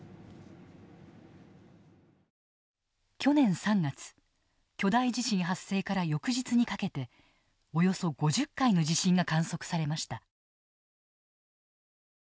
去年３月巨大地震発生から翌日にかけておよそ５０回の地震が観測されました。